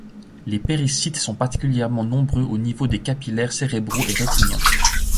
Les péricytes sont particulièrement nombreux au niveau des capillaires cérébraux et rétiniens.